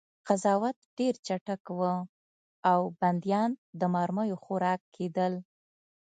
قضاوت ډېر چټک و او بندیان د مرمیو خوراک کېدل